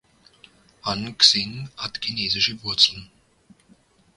Han Xing hat chinesische Wurzeln.